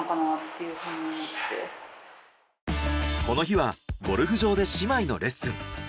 この日はゴルフ場で姉妹のレッスン。